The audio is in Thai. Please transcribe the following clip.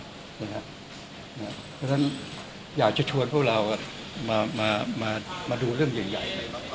เพราะฉะนั้นอยากจะชวนพวกเรามาดูเรื่องใหญ่เลย